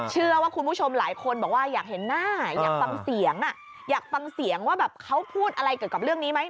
เชื่อว่าคุณผู้ชมหลายคนบอกว่าอยากเห็นหน้าอยากฟังเสียงอยากฟังเสียงว่าแบบเขาพูดอะไรเกี่ยวกับเรื่องนี้ไหม